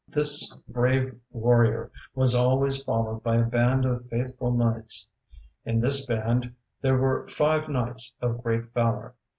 This brave warrior was always followed by a band of faithful knights. In this band there were five knights of great valor.